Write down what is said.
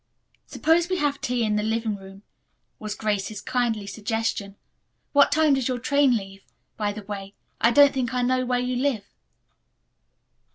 "Suppose we have tea in the living room," was Grace's kindly suggestion. "What time does your train leave? By the way, I don't think I know where you live."